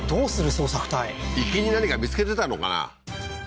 捜索隊行きに何か見つけてたのかな？